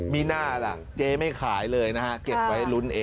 มีหน้าล่ะเจ๊ไม่ขายเลยนะฮะเก็บไว้ลุ้นเอง